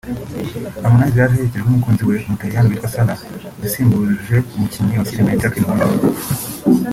Harmonize yaje aherekejwe n’umukunzi we Umutaliyanikazi witwa Sarah yasimbuje umukinnyi wa filime Jackline Wolper